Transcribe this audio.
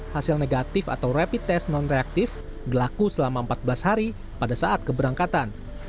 hasil negatif atau rapid test non reaktif berlaku selama empat belas hari pada saat keberangkatan